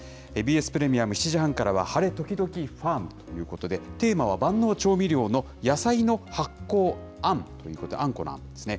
ＢＳプレミアム７時半からは、晴れ、ときどきファーム！ということで、テーマは万能調味料の野菜の発酵あんということで、あんこのあんですね。